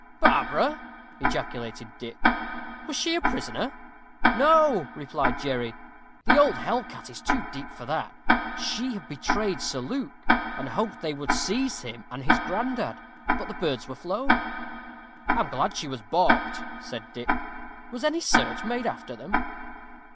"Barbara!" ejaculated Dick. "Was she a prisoner?" "No," replied Jerry; "the old hell cat is too deep for that. She had betrayed Sir Luke, and hoped they would seize him and his granddad. But the birds were flown." "I'm glad she was baulked," said Dick. "Was any search made after them?"